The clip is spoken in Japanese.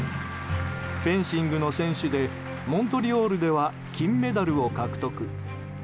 フェンシングの選手でモントリオールでは金メダルを獲得。